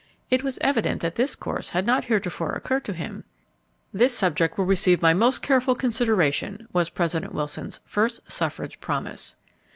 It was evident that this course had not heretofore occurred to him. "This subject will receive my most careful consideration," was President Wilson's first suffrage promise.